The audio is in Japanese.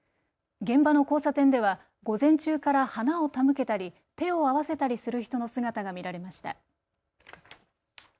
現場の交差点では午前中から花を手向けたり手を合わせたりする人の姿が見られました。